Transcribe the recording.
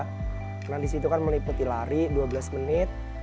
karena di situ kan meliputi lari dua belas menit